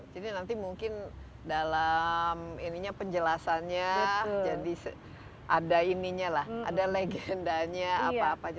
jadi nanti mungkin dalam ini penjelasannya jadi ada ini lah ada legendanya apa apa aja